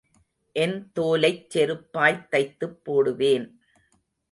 என் தோலைச் செருப்பாய்த் தைத்துப் போடுவேன்.